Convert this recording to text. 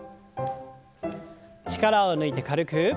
力を抜いて軽く。